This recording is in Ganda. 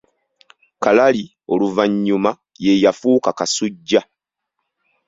Kalali oluvannyuma ye yafuuka Kasujju